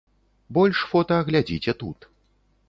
Больш фота глядзіце тут.